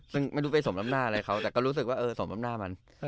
ซึ่งไม่รู้ไปสมน้ำหน้าอะไรเขาแต่ก็รู้สึกว่าเออสมน้ำหน้ามัน